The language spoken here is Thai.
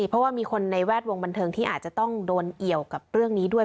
เพราะว่ามีคนในแวดวงบันเทิงที่อาจจะต้องโดนเอี่ยวกับเรื่องนี้ด้วย